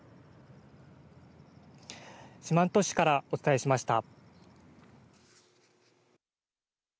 四万十市からお伝えしました。